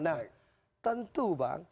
nah tentu bang